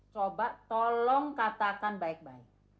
coba tolong katakan baik baik